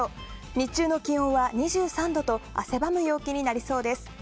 日中の気温は２３度と汗ばむ陽気になりそうです。